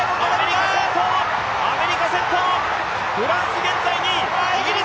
アメリカ先頭、フランス現在２位。